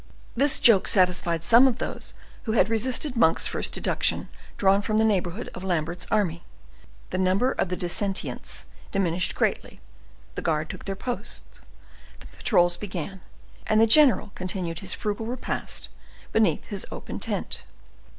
This joke satisfied some of those who had resisted Monk's first deduction drawn from the neighborhood of Lambert's army; the number of the dissentients diminished greatly; the guard took their posts, the patrols began, and the general continued his frugal repast beneath his open tent.